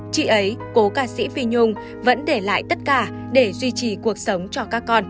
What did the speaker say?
chị ấy cố ca sĩ phi nhung vẫn để lại tất cả để duy trì cuộc sống cho các con